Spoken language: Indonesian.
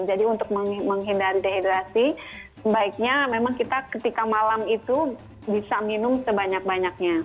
untuk menghindari dehidrasi sebaiknya memang kita ketika malam itu bisa minum sebanyak banyaknya